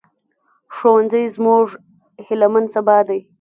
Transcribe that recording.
ښوونځی زموږ هيلهمن سبا دی